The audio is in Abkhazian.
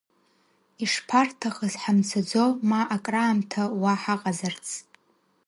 Ишԥарҭахыз ҳамцаӡо ма акраамҭа уа ҳаҟазарц.